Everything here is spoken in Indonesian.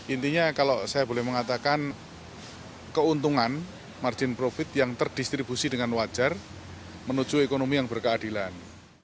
intinya kalau saya boleh mengatakan keuntungan margin profit yang terdistribusi dengan wajar menuju ekonomi yang berkeadilan